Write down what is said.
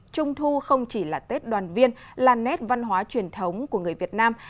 trung thu không chỉ là tết đoàn viên là nét văn hóa truyền thống của người việt nam